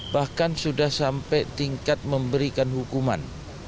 bahkan sudah sampai tingkat memberikan hukuman